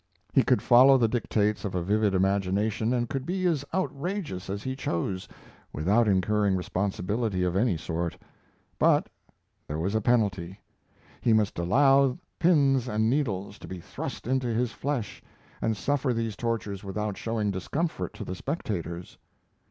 He could follow the dictates of a vivid imagination and could be as outrageous as he chose without incurring responsibility of any sort. But there was a penalty: he must allow pins and needles to be thrust into his flesh and suffer these tortures without showing discomfort to the spectators.